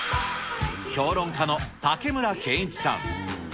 評論家の竹村健一さん。